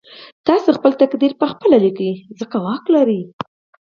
تاسې خپل تقدير پخپله ليکئ ځکه واک لرئ.